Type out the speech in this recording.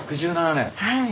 はい。